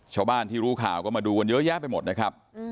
ชาวบ้านที่รู้ข่าวก็มาดูกันเยอะแยะไปหมดนะครับ